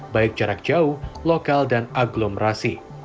baik jarak jauh lokal dan aglomerasi